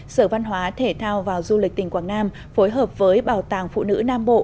sở văn hóa thể thao và du lịch tỉnh quảng nam phối hợp với bảo tàng phụ nữ nam bộ